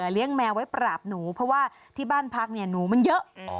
แมวไว้ปราบหนูเพราะว่าที่บ้านพักเนี่ยหนูมันเยอะ